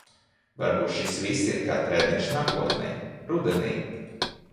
Varbūt šis viss ir kā treniņš nākotnei? Rudenī.